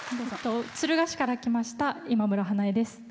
敦賀市から来ましたいまむらです。